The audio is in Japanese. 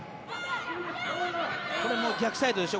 これも逆サイドでしょ。